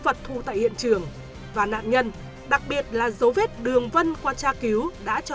vật thu tại hiện trường và nạn nhân đặc biệt là dấu vết đường vân qua tra cứu đã cho nhận được nạn nhân